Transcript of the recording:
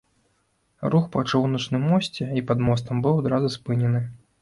Рух па чыгуначным мосце і пад мостам быў адразу спынены.